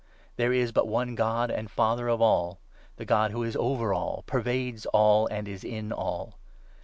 There is but one God and 6 Father of all — the God who is over all, pervades all, and is in all.